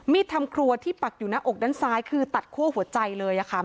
ทำครัวที่ปักอยู่หน้าอกด้านซ้ายคือตัดคั่วหัวใจเลยค่ะ